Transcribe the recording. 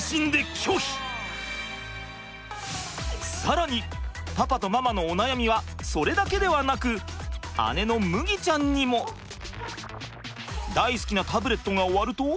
更にパパとママのお悩みはそれだけではなく姉の大好きなタブレットが終わると。